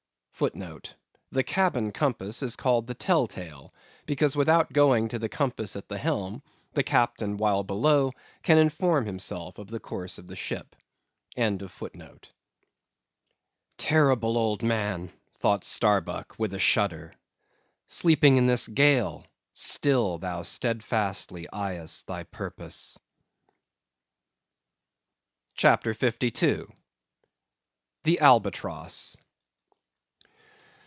* *The cabin compass is called the tell tale, because without going to the compass at the helm, the Captain, while below, can inform himself of the course of the ship. Terrible old man! thought Starbuck with a shudder, sleeping in this gale, still thou steadfastly eyest thy purpose. CHAPTER 52. The Albatross.